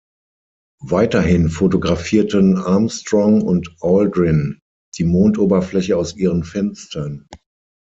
Weiterhin fotografierten Armstrong und Aldrin die Mondoberfläche aus ihren Fenstern.